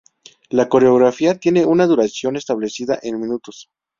La coreografía tiene una duración establecida en minutos.